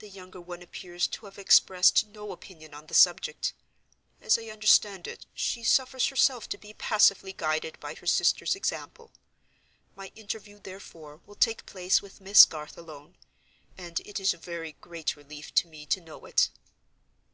The younger one appears to have expressed no opinion on the subject. As I understand it, she suffers herself to be passively guided by her sister's example. My interview, therefore, will take place with Miss Garth alone—and it is a very great relief to me to know it."